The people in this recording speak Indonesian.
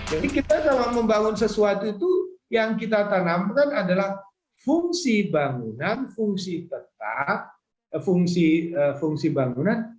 jadi kita kalau membangun sesuatu itu yang kita tanamkan adalah fungsi bangunan fungsi tetap fungsi bangunan